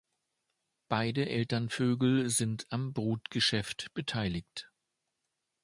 Beide Elternvögel sind am Brutgeschäft beteiligt.